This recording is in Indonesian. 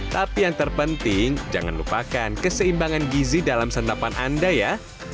tapi yang terpenting jangan lupakan keseimbangan gizi dalam santapan anda ya